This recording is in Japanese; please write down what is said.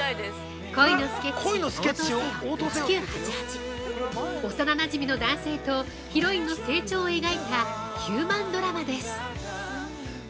「恋のスケッチ応答せよ１９９８」幼なじみの男性とヒロインの成長を描いたヒューマンドラマです。